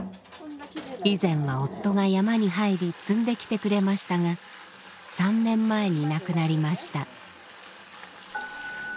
以前は夫が山に入り摘んできてくれましたが３年前に亡くなりました。